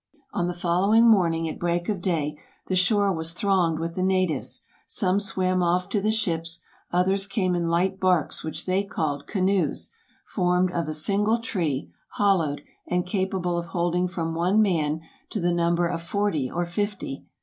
On the following morning, at break of day, the shore was thronged with the natives; some swam off to the ships, others came in light barks which they called canoes, formed of a single tree, hollowed, and capable of holding from one man to the number of forty or fifty.